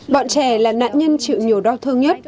bọn trẻ là nạn nhân chịu nhiều đau thương nhất